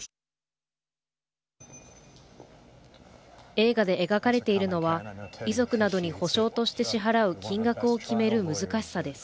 映画で描かれているのは遺族などに補償として支払う金額を決める難しさです。